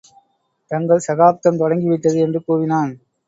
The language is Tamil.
தங்கள் சகாப்தம் தொடங்கி விட்டது என்று கூவினான்.